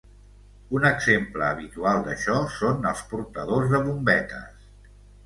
Un exemple habitual d'això són els portadors de bombetes.